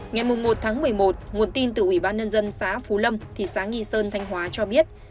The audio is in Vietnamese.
ngày một một mươi một nguồn tin từ ủy ban nhân dân xã phú lâm thị xã nghi sơn thanh hóa cho biết